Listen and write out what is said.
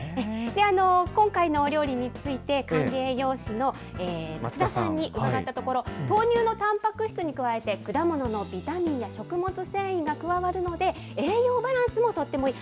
今回のお料理について、管理栄養士の松田さんに伺ったところ、豆乳のたんぱく質に加えて、果物のビタミンや食物繊維が加わるので、栄養バランスもとってもいい。